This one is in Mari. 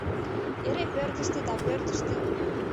Эре пӧртыштӧ да пӧртыштӧ...